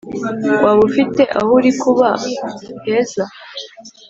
waba ufite aho urikuba heza